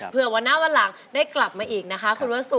เพื่อวันหน้าวันหลังได้กลับมาอีกนะคะคุณวัสสุ